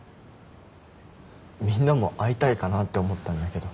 みんなも会いたいかなって思ったんだけど。